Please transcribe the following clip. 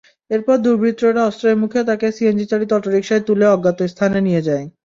এরপর দুর্বৃত্তরা অস্ত্রের মুখে তাঁকে সিএনজিচালিত অটোরিকশায় তুলে অজ্ঞাত স্থানে নিয়ে যায়।